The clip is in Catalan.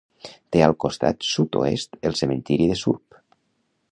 Té al costat sud-oest el cementiri de Surp.